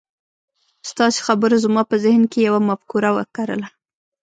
ستاسې خبرو زما په ذهن کې يوه مفکوره وکرله.